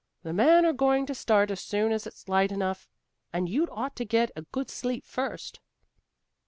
"The men are going to start as soon as it's light enough, and you'd ought to get a good sleep first."